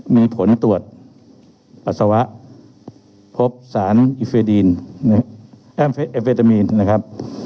มีผลตรวจปัสสาวะพบสารอิเฟดีนเอเฟตามีนนะครับ